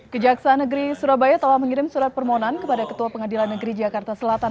kejaksaan negeri surabaya telah mengirim surat permohonan kepada ketua pengadilan negeri jakarta selatan